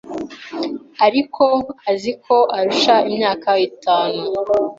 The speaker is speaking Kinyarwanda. Ariko azi ko arusha imyaka itanu